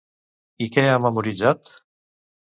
I què ha memoritzat?